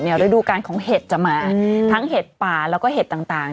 ฤดูการของเห็ดจะมาทั้งเห็ดป่าแล้วก็เห็ดต่าง